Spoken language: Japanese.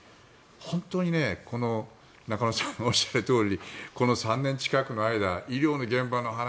本当に中野さんがおっしゃるとおりこの３年近くの間医療の現場の話